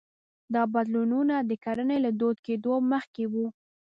دا بدلونونه د کرنې له دود کېدو مخکې وو